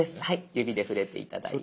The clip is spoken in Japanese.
指で触れて頂いて。